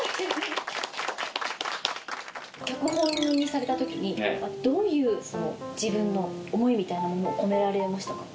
脚本にされた時にどういう自分の思いみたいなものを込められましたか？